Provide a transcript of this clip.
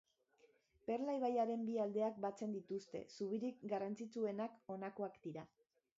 Perla ibaiaren bi aldeak batzen dituzten zubirik garrantzitsuenak honakoak dira.